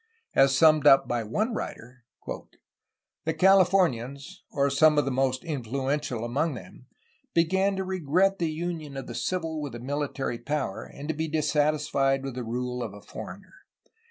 As summed up by one writer : "The Californians, or some of the most influential among them, began to regret the reunion of the civil with the military power, and to be dissatisfied with the rule of a foreigner.